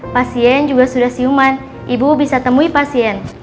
pasien juga sudah siuman ibu bisa temui pasien